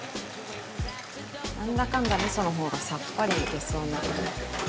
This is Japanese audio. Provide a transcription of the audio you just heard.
なんだかんだ味噌の方がさっぱりいけそうな。